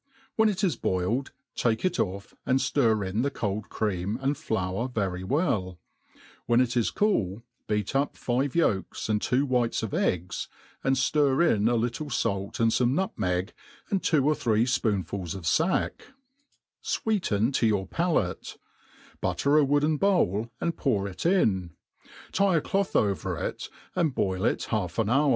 When it is boiled, take it off, and ftir in the cold cream, and Soar very well; when it is cool, beat up five ydlks and two 'whites of eggs, and &n in a little fait and fo me nutmeg, and two or three fpoonftils of fack; fweeten to your palate ; butter a wooden bowl, and pour it in, tie a cloth over it, and bpil it half an hou'